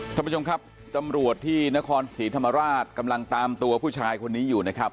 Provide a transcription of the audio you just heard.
ท่านผู้ชมครับตำรวจที่นครศรีธรรมราชกำลังตามตัวผู้ชายคนนี้อยู่นะครับ